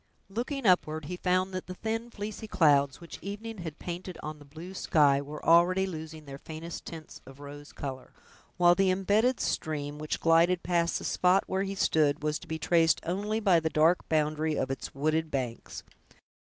Looking upward, he found that the thin fleecy clouds, which evening had painted on the blue sky, were already losing their faintest tints of rose color, while the imbedded stream, which glided past the spot where he stood, was to be traced only by the dark boundary of its wooded banks.